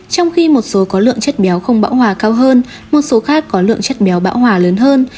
trong khi một số có lượng chất béo không bão hòa cao hơn một số khác có lượng chất béo bão hòa lớn hơn